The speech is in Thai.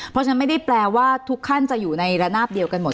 เพราะฉะนั้นไม่ได้แปลว่าทุกขั้นจะอยู่ในระนาบเดียวกันหมด